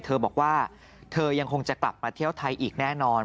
เธอบอกว่าเธอยังคงจะกลับมาเที่ยวไทยอีกแน่นอน